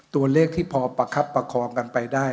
ตัวเลขที่พอประคับประคองกันไปได้